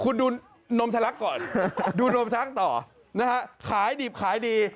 คุณดูนมทะลักก่อนดูนมช้างต่อนะฮะขายดิบขายดี